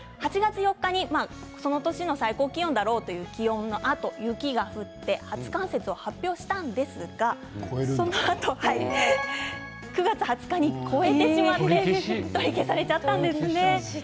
８月４日にその年の最高気温だろうという気温のあと雪が降って初冠雪を発表したんですがその後９月２０日に超えてしまって取り消されちゃったんです。